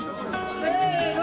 せの！